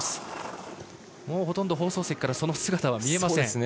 もうほとんど、放送席からその姿は見えません。